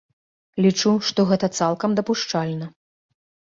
Лічу, што гэта цалкам дапушчальна.